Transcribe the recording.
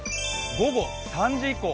午後３時以降。